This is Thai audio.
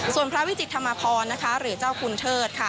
ส่วนพระวิจิตธรรมพรนะคะหรือเจ้าคุณเทิดค่ะ